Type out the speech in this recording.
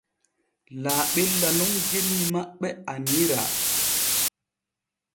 Laaɓella nun genni maɓɓe annira.